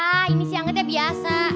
wah ini si angetnya biasa